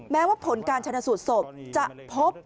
แม้ว่าผลการชนะสูตรศพจะพบ